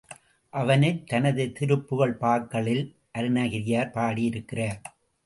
அவனைத் தனது திருப்புகழ் பாக்களில் அருணகிரியார் பாடி இருக்கிறார்.